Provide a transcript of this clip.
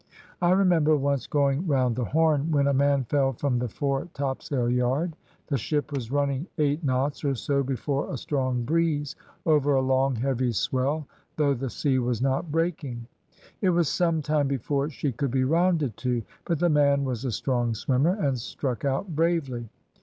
I remember once going round the Horn when a man fell from the fore topsail yard. The ship was running eight knots or so before a strong breeze, over a long, heavy swell, though the sea was not breaking. It was some time before she could be rounded to; but the man was a strong swimmer, and struck out bravely.